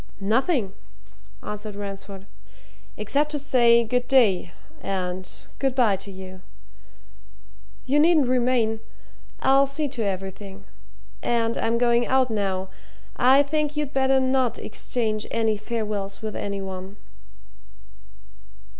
"Nothing!" answered Ransford. "Except to say good day and good bye to you. You needn't remain I'll see to everything. And I'm going out now. I think you'd better not exchange any farewells with any one."